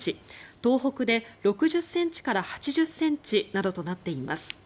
東北で６０ｃｍから８０ｃｍなどとなっています。